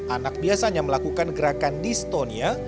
anak biasanya melakukan gerakan distonia